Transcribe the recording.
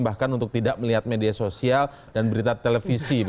bahkan untuk tidak melihat media sosial dan berita televisi